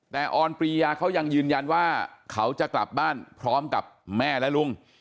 แต่ออนปรียาเขายังยืนยันว่าเขาจะกลับบ้านพร้อมกับแม่และลุง